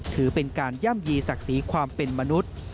ถือเป็นการย่ำยีศักดิ์ศรีความเป็นมนุษย์